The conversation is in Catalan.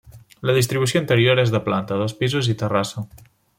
La distribució interior és de planta, dos pisos i terrassa.